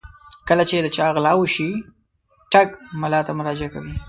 کله چې د چا غلا وشي ټګ ملا ته مراجعه کوي.